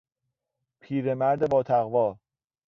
پیرمرد باتقوا